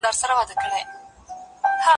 نه دي ویني یاره د زاهد سترګي نیمګړي دي